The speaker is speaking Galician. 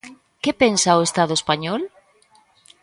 Que pensa o Estado español?